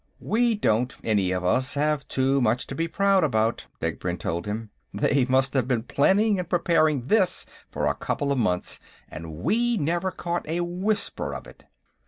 "We don't, any of us, have too much to be proud about," Degbrend told him. "They must have been planning and preparing this for a couple of months, and we never caught a whisper of it."